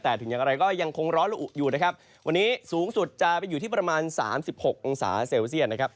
แต่ถึงอย่างไรก็ยังคงร้อนละอุอยู่นะครับวันนี้สูงสุดจะไปอยู่ที่ประมาณ๓๖องศาเซลเซียตนะครับ